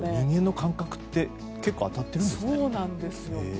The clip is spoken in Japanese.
人間の感覚って結構当たってるんですね。